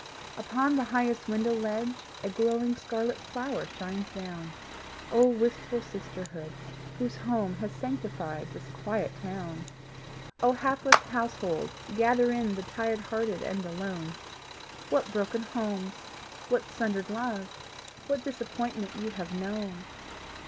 Upon the highest window ledge A glowing scarlet flower shines down. Oh, wistful sisterhood, whose home Has sanctified this quiet town! Oh, hapless household, gather in The tired hearted and the lone! What broken homes, what sundered love, What disappointment you have known!